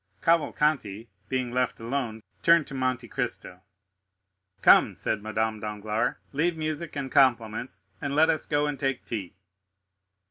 Cavalcanti, being left alone, turned to Monte Cristo. "Come," said Madame Danglars, "leave music and compliments, and let us go and take tea."